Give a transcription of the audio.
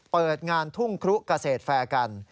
เปิดงานทุ่งครุเกษตรแฟร์กัน